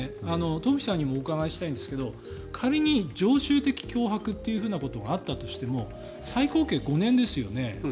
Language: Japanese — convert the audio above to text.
東輝さんにもお伺いしたいんですが仮に常習的脅迫ということがあったとしても最高刑５年ですよね。